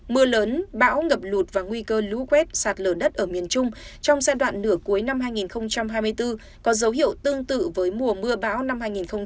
mưa lớn bão ngập lụt và nguy cơ lũ quét sạt lở đất ở miền trung trong giai đoạn nửa cuối năm hai nghìn hai mươi bốn có dấu hiệu tương tự với mùa mưa bão năm hai nghìn hai mươi ba